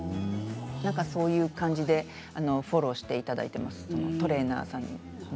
そういう感じでフォローしていただいていますトレーナーさんに。